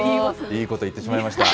いいこと言ってしまいました。